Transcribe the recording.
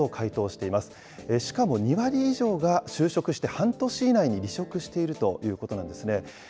しかも２割以上が就職して半年以内に離職しているということなんですね。